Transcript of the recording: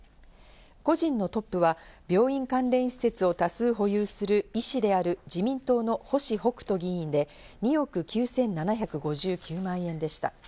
個人のトップは病院関連施設を多数保有する、医師である自民党の星北斗議員で２億９７５９万円でした。